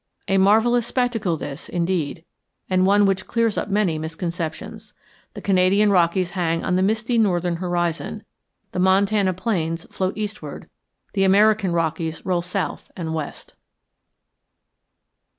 A marvellous spectacle, this, indeed, and one which clears up many misconceptions. The Canadian Rockies hang on the misty northern horizon, the Montana plains float eastward, the American Rockies roll south and west.